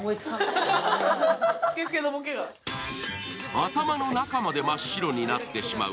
頭の中まで真っ白になってしまう